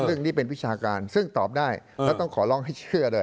ซึ่งนี่เป็นวิชาการซึ่งตอบได้แล้วต้องขอร้องให้เชื่อด้วย